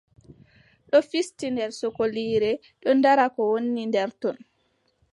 Ɗo fisti nder sokoliire ɗo ndaara ko woni nder ton.